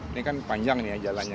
ini kan panjang jalannya